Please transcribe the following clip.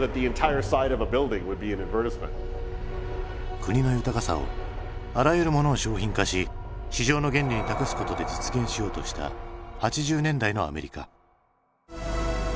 国の豊かさをあらゆるものを商品化し市場の原理に託すことで実現しようとした８０年代のアメリカ。